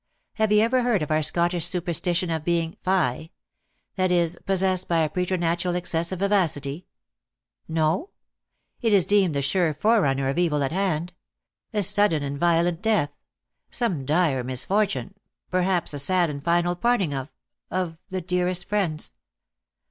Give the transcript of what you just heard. Have you ever heard of our Scottish superstition of being fie that is, pos sessed by a preternatural excess of vivacity ? No ? It is deemed the sure forerunner of evil at hand, a sud den and violent death ; some dire misfortune; perhaps a sad and final parting of of the dearest friends.